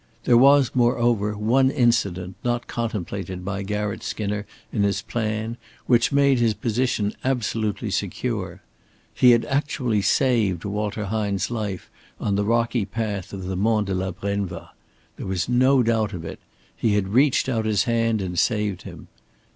There was, moreover, one incident, not contemplated by Garratt Skinner in his plan, which made his position absolutely secure. He had actually saved Walter Hine's life on the rocky path of the Mont de la Brenva. There was no doubt of it. He had reached out his hand and saved him.